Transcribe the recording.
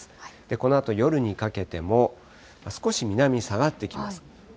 このあと夜にかけても、少し南に下がってきます。